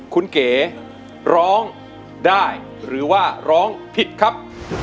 คุณเก๋ร้องได้หรือว่าร้องผิดครับ